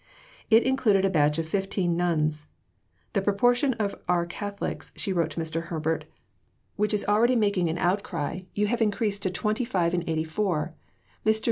It included a batch of fifteen nuns. "The proportion of R. Catholics," she wrote to Mr. Herbert, "which is already making an outcry, you have increased to 25 in 84. Mr.